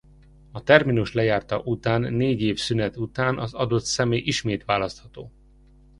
A terminus lejárta után négy év szünet után az adott személy ismét választható.